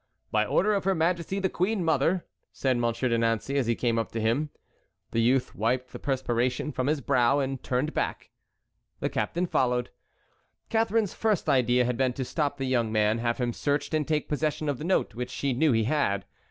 "By order of her majesty the queen mother," said Monsieur de Nancey, as he came up to him. The youth wiped the perspiration from his brow and turned back. The captain followed. Catharine's first idea had been to stop the young man, have him searched, and take possession of the note which she knew he had.